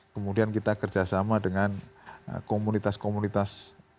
kemudian kita kerjasama dengan komunitas komunitas